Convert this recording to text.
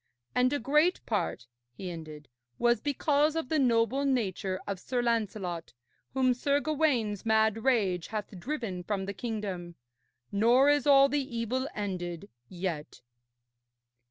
And a great part,' he ended, 'was because of the noble nature of Sir Lancelot, whom Sir Gawaine's mad rage hath driven from the kingdom. Nor is all the evil ended yet.'